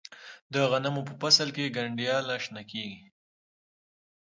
د غنمو په فصل کې گنډیاله شنه کیږي.